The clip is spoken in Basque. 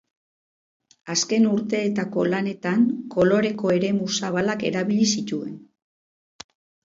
Azken urteetako lanetan koloreko eremu zabalak erabili zituen.